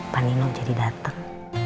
pak nino jadi datang